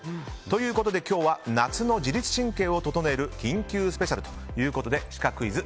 ということで今日は夏の自律神経を整える緊急スペシャルということでシカクイズ